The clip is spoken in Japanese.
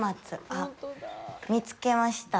あっ、見つけました。